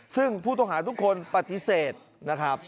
ซึ่งผู้ต้องหาทุกคนปฏิเสธนะครับ